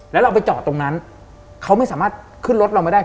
แล้วเราไปจอดตรงนั้นเขาไม่สามารถขึ้นรถเราไม่ได้